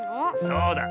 そうだ。